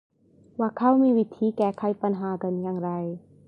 ว่าเขามีวิธีแก้ไขปัญหากันอย่างไร